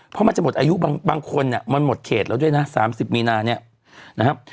เพราะมันจะหมดอายุบางคนเนี่ยมันหมดเขตแล้วด้วยนะ๓๐มีนาเนี่ยนะครับ